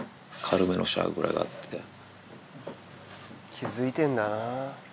気付いてんだな。